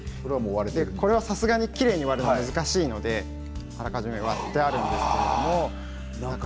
これは、さすがにきれいに割るのが難しいのであらかじめ割ってあります。